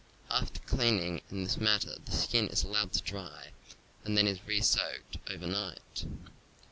After cleaning in this man ner the skin is allowed to dry and then is re soaked over night.